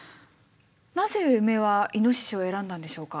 なぜウメはイノシシを選んだんでしょうか？